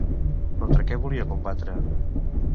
Contra què volia combatre?